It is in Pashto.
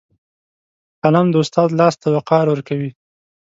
قلم د استاد لاس ته وقار ورکوي